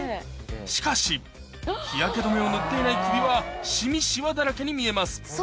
しかし日焼け止めを塗っていない首はシミ・シワだらけに見えます